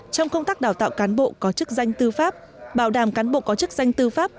trong công tác đào tạo cán bộ có chức danh tư pháp bảo đảm cán bộ có chức danh tư pháp